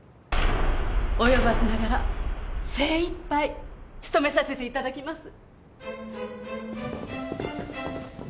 及ばずながら精いっぱい努めさせて頂きます。